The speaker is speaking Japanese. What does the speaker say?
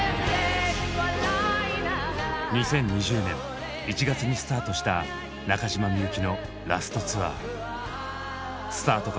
２０２０年１月にスタートした中島みゆきのラスト・ツアー。